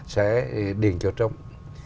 sẽ điền cho trung